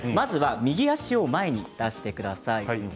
右足を前に出してください。